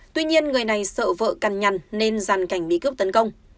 tuy nhiên người này sợ vợ cằn nhằn nên giàn cảnh bị cướp tấn công